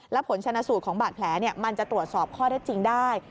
และผลชนะสูตรของบาดแผลมันจะตรวจสอบข้อได้จริงได้